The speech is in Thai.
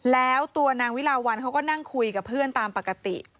แล้วตัวนางวิลาวันเขาก็นั่งคุยกับเพื่อนตามปกติ